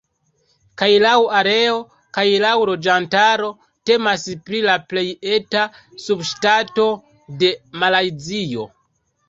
Kaj laŭ areo kaj laŭ loĝantaro temas pri la plej eta subŝtato de Malajzio.